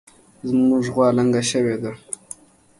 زمونږ غوا لنګه شوې ده